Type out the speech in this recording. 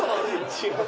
違う。